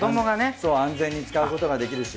そう安全に使うことができるし。